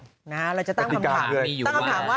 นะาาาเราจะตั้งคำถาม